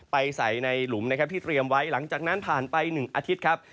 ใส่ในหลุมนะครับที่เตรียมไว้หลังจากนั้นผ่านไป๑อาทิตย์ครับ